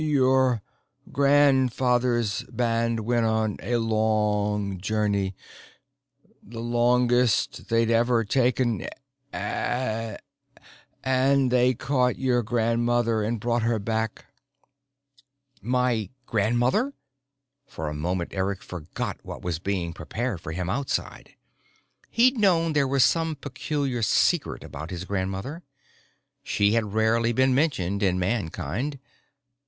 "Your grandfather's band went on a long journey, the longest they'd ever taken. And they caught your grandmother and brought her back." "My grandmother?" For the moment, Eric forgot what was being prepared for him outside. He'd known there was some peculiar secret about his grandmother. She had rarely been mentioned in Mankind.